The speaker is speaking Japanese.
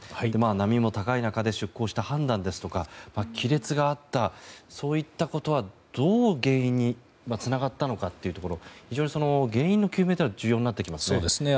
波も高い中で出港した判断ですとか亀裂があったそういったことはどう原因につながったのかというところ非常に原因の究明が重要になってきますね。